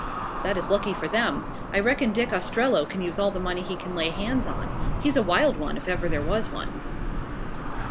"That is lucky for them. I reckon Dick Ostrello can use all the money he can lay hands on. He's a wild one, if ever there was one."